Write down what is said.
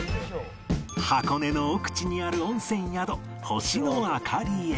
箱根の奥地にある温泉宿星のあかりへ